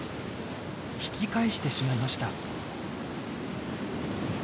引き返してしまいました。